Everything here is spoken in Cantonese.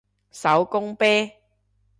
手工啤